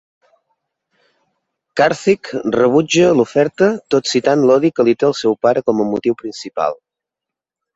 Karthik rebutja l'oferta, tot citant l'odi que li té el seu pare com a motiu principal.